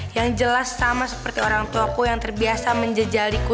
yang jelas sama seperti orang tuaku yang terbiasa menjejaliku